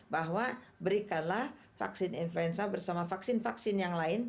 bahwa berikanlah vaksin influenza bersama vaksin vaksin yang lain